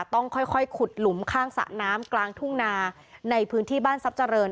ต้องค่อยขุดหลุมข้างสระน้ำกลางทุ่งนาในพื้นที่บ้านทรัพย์เจริญ